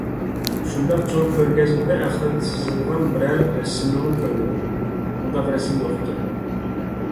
- شۇنداق چوڭ كۆرگەزمىدە ئەخلەت سىزىلغان بىرەر رەسىمنىمۇ كۆرمىدىم، ئۇنداق رەسىم يوق ئىكەن.